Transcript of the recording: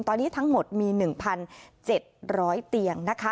ตอนนี้ทั้งหมดมี๑๗๐๐เตียงนะคะ